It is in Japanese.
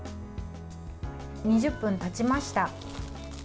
２０分たちました。